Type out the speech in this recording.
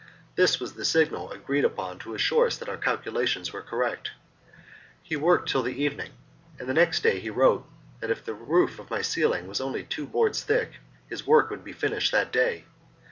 This was the signal agreed upon to assure us that our calculations were correct. He worked till the evening, and the next day he wrote that if the roof of my cell was only two boards thick his work would be finished that day.